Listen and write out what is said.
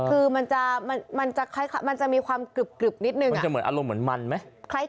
คือมันจะมันจะมีความกลึบนิดนึงมันจะเหมือนอารมณ์เหมือนมันไหม